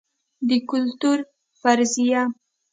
د کلتور فرضیه